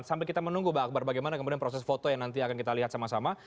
sambil kita menunggu pak akbar bagaimana kemudian proses foto yang nanti akan kita lihat sama sama